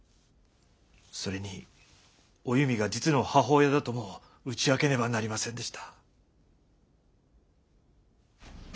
それにお弓が実の母親だとも打ち明けねばなりませんでした。